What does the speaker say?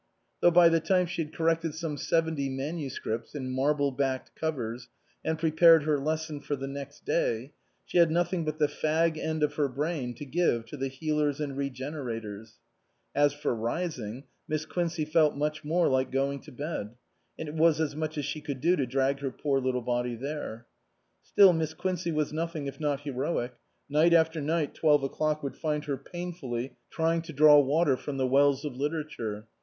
Though by the time she had corrected some seventy manuscripts in marble backed covers, and prepared her lesson for the next day, she had nothing but the fag end of her brain to give to the healers and regenerators ; as for rising, Miss Quincey felt much more like going to bed, and it was as much as she could do to drag her poor little body there. Still Miss Quincey was nothing if not heroic ; night after night twelve o'clock would find her pain fully trying to draw water from the wells of literature.